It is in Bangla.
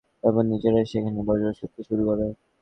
তারপর নিজেরাই সেখানে বসবাস করতে শুরু করে।